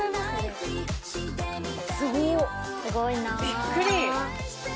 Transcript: びっくり。